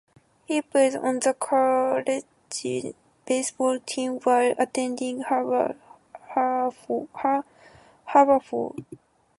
He played on the collegiate baseball team while attending Haverford.